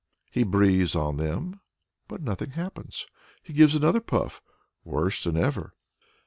He breathes on them but nothing happens! He gives another puff worse than ever!